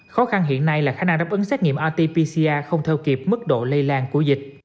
khó khăn hiện nay là khả năng đáp ứng xét nghiệm rt pcca không theo kịp mức độ lây lan của dịch